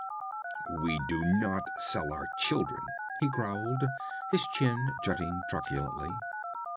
'We do not sell our children,' he growled, his chin jutting truculently.